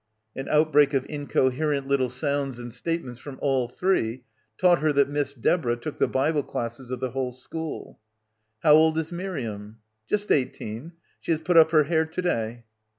An outbreak of incoherent little sounds and statements from all three taught her that Miss Deborah took the Bible classes of the whole school. "How old is Miriam?" "Just eighteen. She has put up her hair to day."